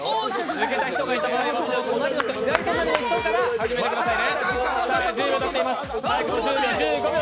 抜けた人がいた場合は、その左の人から始めてくださいね。